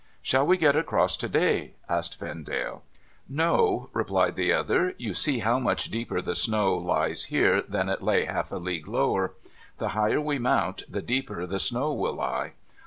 ' Shall we get across to day ?' asked Vendale. ' No,' replied the other. ' You see how much deeper the snow lies here than it lay half a league lower. The higher we mount the deeper the snow will lie.